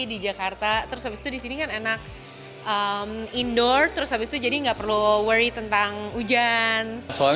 di jakarta terus habis itu disini kan enak indoor terus habis itu jadi nggak perlu worry tentang hujan